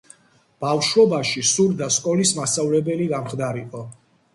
ბავშვობაში სურდა სკოლის მასწავლებელი გამხდარიყო.